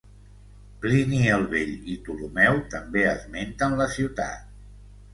Plini el Vell i Ptolemeu també esmenten la ciutat.